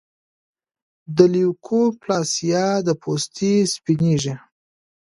د لیوکوپلاسیا د پوستې سپینېږي.